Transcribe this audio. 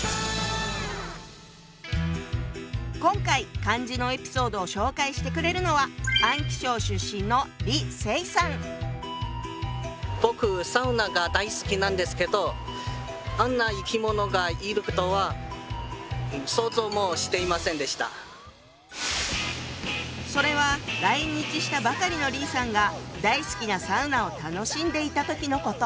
今回漢字のエピソードを紹介してくれるのはそれは来日したばかりの李さんが大好きなサウナを楽しんでいた時のこと。